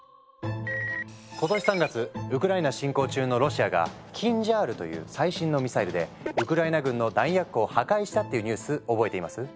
今年３月ウクライナ侵攻中のロシアが「キンジャール」という最新のミサイルでウクライナ軍の弾薬庫を破壊したっていうニュース覚えています？